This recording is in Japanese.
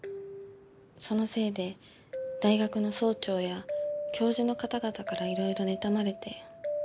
そのせいで大学の総長や教授の方々からいろいろ妬まれて。